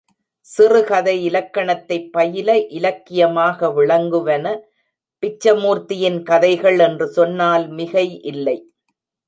சிறுகதை இலக்கணத்தைப் பயில இலக்கியமாக விளங்குவன பிச்சமூர்த்தியின் கதைகள் என்று சொன்னால் மிகை இல்லை.